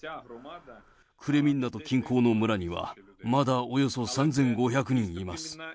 クレミンナと近郊の村には、まだおよそ３５００人います。